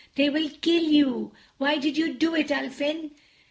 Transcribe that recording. They will kill you. Why did you do it, Ulfin?"